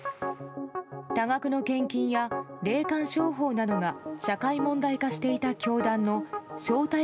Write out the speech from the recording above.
多額の献金や霊感商法などが社会問題化していた教団の正体